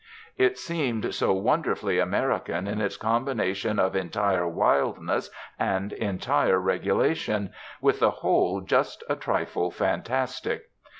It seemed so wonderfully American, in its combination of entire wildness and entire regulation, with the whole just a trifle fantastic.